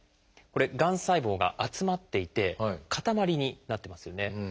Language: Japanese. がん細胞が集まっていてかたまりになってますよね。